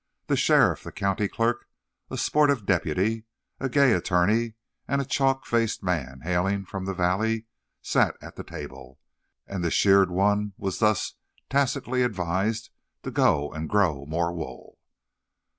The sheriff, the county clerk, a sportive deputy, a gay attorney, and a chalk faced man hailing "from the valley," sat at table, and the sheared one was thus tacitly advised to go and grow more wool.